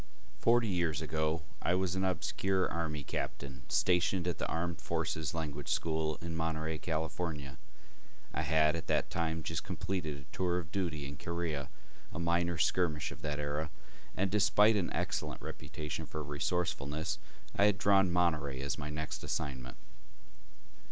Forty years ago I was an obscure Army captain stationed at the Armed Forces Language School in Monterey, California. I had at that time just completed a tour of duty in Korea, a minor skirmish of that era, and despite an excellent reputation for resourcefulness, I had drawn Monterey as my next assignment.